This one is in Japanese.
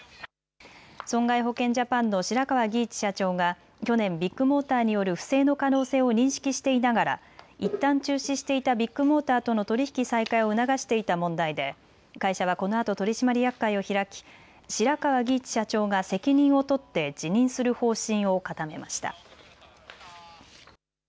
損害保険ジャパンの白川儀一社長が去年、ビッグモーターによる不正の可能性を認識していながらいったん中止していたビッグモーターとの取り引き再開を促していた問題で会社はこのあと取締役会を開き白川儀一社長が責任を取って辞任する方針を固めました。